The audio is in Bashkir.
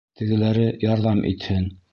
Тегеләре ярҙам итһен!